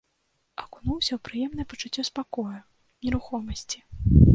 Акунуўся ў прыемнае пачуццё спакою, нерухомасці.